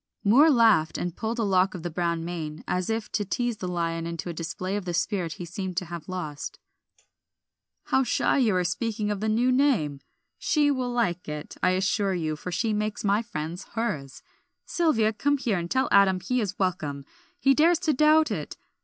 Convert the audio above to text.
Moor laughed and pulled a lock of the brown mane, as if to tease the lion into a display of the spirit he seemed to have lost. "How shy you are of speaking the new name! 'She' will like it, I assure you, for she makes my friends hers. Sylvia, come here, and tell Adam he is welcome; he dares to doubt it.